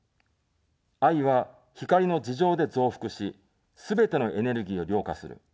愛は光の２乗で増幅し、すべてのエネルギーをりょうがする。